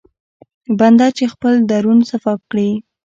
بنده چې خپل درون صفا کړي.